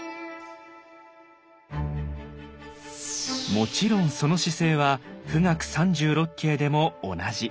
もちろんその姿勢は「冨嶽三十六景」でも同じ。